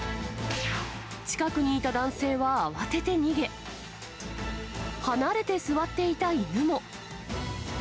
近くにいた男性は慌てて逃げ、離れて座っていた犬も。